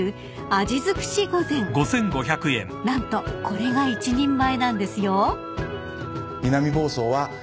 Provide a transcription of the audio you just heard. ［何とこれが一人前なんですよ］